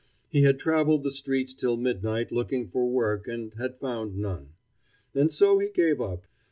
He had traveled the streets till midnight looking for work, and had found none. And so he gave up.